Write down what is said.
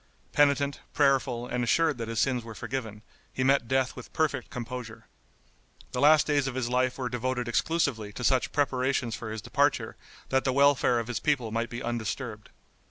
Penitent, prayerful and assured that his sins were forgiven, he met death with perfect composure. The last days of his life were devoted exclusively to such preparations for his departure that the welfare of his people might be undisturbed.